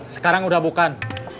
sekarang udah bukan